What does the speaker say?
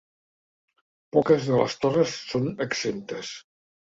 Poques de les torres són exemptes.